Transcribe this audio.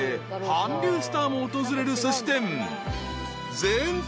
韓流スターも訪れるすし店］